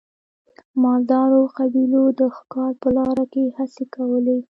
مالدارو قبیلو د ښکار په لاره کې هڅې کولې.